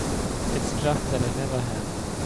It's just that I never have.